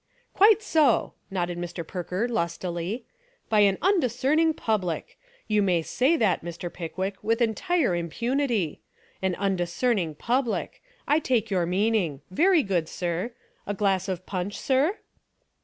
"Quite so," nodded Mr. Perker lustily, — "by an undiscerning public. You may say that, Mr. Pickwick, with entire impunity. An undiscern ing public. I take your meaning. Very good, sir; a glass of punch, sir?"